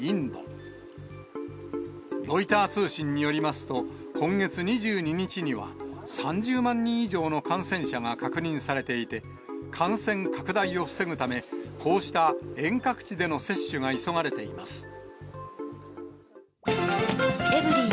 ロイター通信によりますと、今月２２日には、３０万人以上の感染者が確認されていて、感染拡大を防ぐため、こうした遠隔地での接種が急がれています。